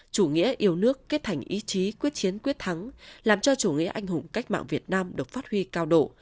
chủ nghĩa yêu nước kết thành ý chí quyết chiến quyết thắng làm cho chủ nghĩa anh hùng cách mạng việt nam được phát huy cao độ